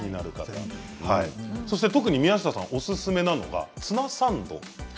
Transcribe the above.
特に宮下さんおすすめなのが、ツナサンド。